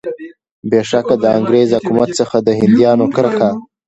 بېشکه د انګریز حکومت څخه د هندیانو کرکه.